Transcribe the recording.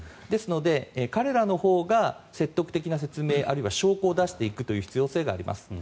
ですので、彼らのほうが説得的な説明あるいは証拠を出していく必要性があります。